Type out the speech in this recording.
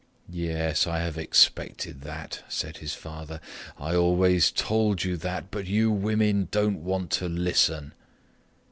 "Yes, I have expected that," said his father, "I always told you that, but you women don't want to listen."